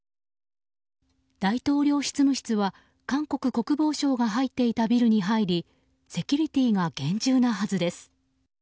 大統領執務室は、韓国国防省が入っていたビルに入りセキュリティーが厳重なはずです。